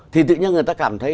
thì tự nhiên người ta cảm thấy